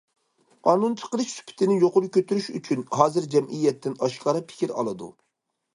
قانۇن چىقىرىش سۈپىتىنى يۇقىرى كۆتۈرۈش ئۈچۈن، ھازىر جەمئىيەتتىن ئاشكارا پىكىر ئالىدۇ.